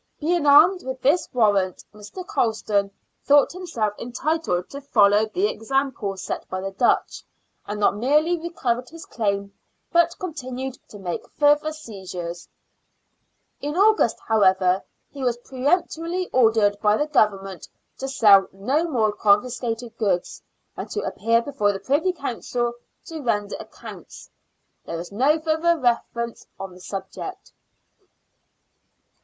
Being armed with this warrant, Mr. Colston thought himself entitled to follow the example set by the Dutch, and not merely recovered his claim, but LORD BURGHLEY, HIGH STEWARD. 95 continued to make further seizures. In August, however, he was peremptorily ordered by the Government to sell no more confiscated goods, and to appear before the Privy Council to render accounts. There is no further reference to the subject.